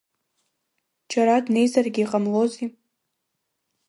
Џьара днеизаргьы ҟамлози.